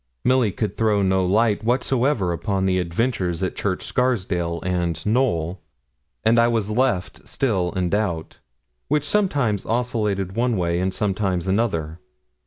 Milly could throw no light whatsoever upon the adventures at Church Scarsdale and Knowl; and I was left still in doubt, which sometimes oscillated one way and sometimes another.